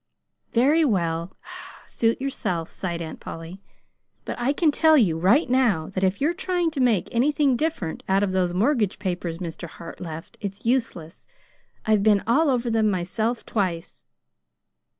"Very well; suit yourself," sighed Aunt Polly. "But I can tell you right now that if you're trying to make anything different out of those mortgage papers Mr. Hart left, it's useless. I've been all over them myself twice."